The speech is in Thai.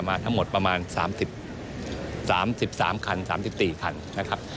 มาทั้งหมดประมาณ๓๓คันเรียกคู่๓๔คัน